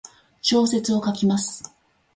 小説を書きます。